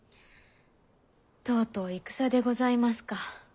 とうとう戦でございますか。